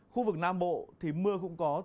khu vực nam bộ thì mưa cũng có